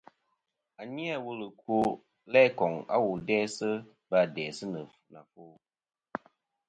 À n-ghɨ wul ɨkwo, læ koŋ a wu dæsɨ vâ dæsɨ nɨ àfo.